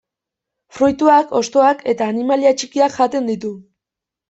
Fruituak, hostoak eta animalia txikiak jaten ditu.